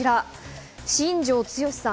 新庄剛志さん